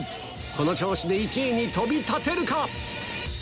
この調子で１位に飛び立てるか？